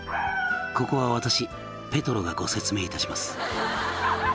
「ここは私ペトロがご説明いたします」